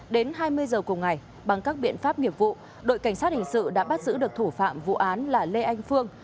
đến hai mươi giờ cùng ngày bằng các biện pháp nghiệp vụ đội cảnh sát hình sự đã bắt giữ được thủ phạm vụ án là lê anh phương